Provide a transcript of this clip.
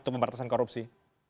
untuk mempertahankan korupsi